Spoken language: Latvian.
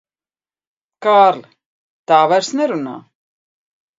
Kārli, tā vairs nerunā.